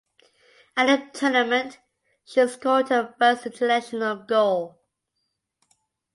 At the tournament she scored her first international goal.